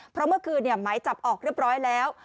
เพราะเมื่อคืนหมายจับออกเรียบร้อยแล้ว